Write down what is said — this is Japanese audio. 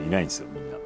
みんな。